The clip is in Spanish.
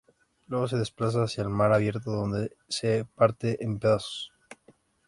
Luego se desplaza hacia el mar abierto, donde se parte en pedazos.